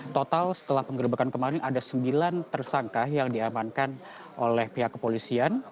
total setelah penggerbekan kemarin ada sembilan tersangka yang diamankan oleh pihak kepolisian